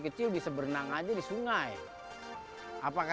kali cikarang satu dua tiga